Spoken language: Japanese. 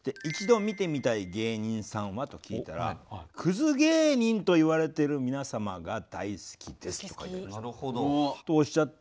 「一度見てみたい芸人さんは？」と聞いたら「クズ芸人といわれてる皆様が大好きです」と書いてありました。